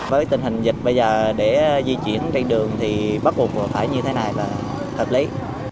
với tình hình dịch bây giờ để di chuyển trên đường thì bắt buộc phải như thế này là hợp lý